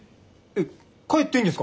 帰っていいんですか？